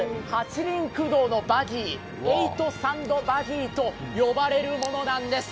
８輪駆動のバギー、８サンドバギーと呼ばれるものなんです。